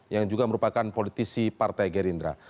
yang juga merupakan politisi partai gerindra